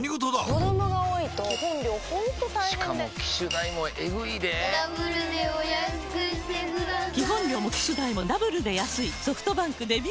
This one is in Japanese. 子供が多いと基本料ほんと大変でしかも機種代もエグいでぇダブルでお安くしてください驚いた？